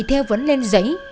thêu vẫn lên giấy